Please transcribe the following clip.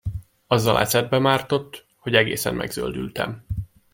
Azzal ecetbe mártott, hogy egészen megzöldültem.